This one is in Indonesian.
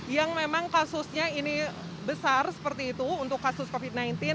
yang memang kasusnya ini besar seperti itu untuk kasus covid sembilan belas